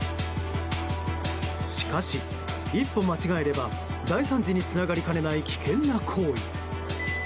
しかし、一歩間違えれば大惨事につながりかねない危険な行為。